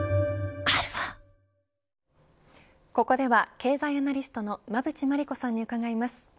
ここでは経済アナリストの馬渕磨理子さんに伺います。